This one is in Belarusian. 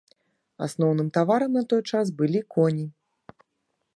Асноўным таварам на той час былі коні.